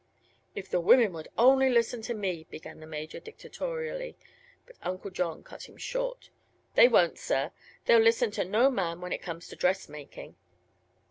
"If the women would only listen to me," began the Major, dictatorially; but Uncle John cut him short. "They won't, sir; they'll listen to no man when it comes to dressmaking."